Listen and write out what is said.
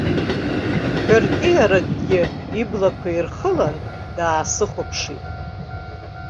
Ҳәыркьиракгьы иблақуа ирхылан, даасыхәаԥшит.